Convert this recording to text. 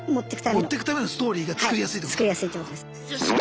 もってくためのストーリーが作りやすいってこと？